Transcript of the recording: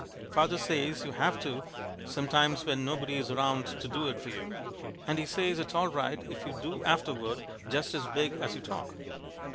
Father says you have to sometimes when nobody's round to do it for you, and he says it's all right if you do afterward just as big as you talk."